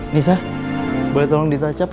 nisa boleh tolong ditacap